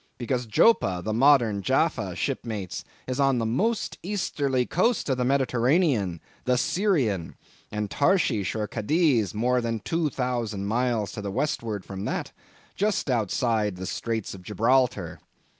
Because Joppa, the modern Jaffa, shipmates, is on the most easterly coast of the Mediterranean, the Syrian; and Tarshish or Cadiz more than two thousand miles to the westward from that, just outside the Straits of Gibraltar.